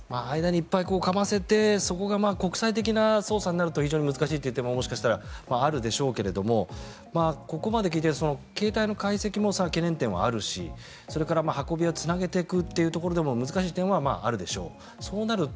間にいっぱい挟んでそこが国際的な捜査になると非常に難しくなる点ももしかしたらあるでしょうけどここまで聞いていて携帯の解析も懸念点はあるしそれから運び屋からつなげていくというのも難しい点があるでしょう。